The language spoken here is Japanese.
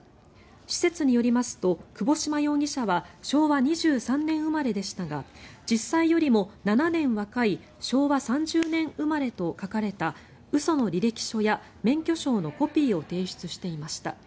施設によりますと窪島容疑者は昭和２３年生まれでしたが実際よりも７年若い昭和３０年生まれと書かれた嘘の履歴書や免許証のコピーを提出していました。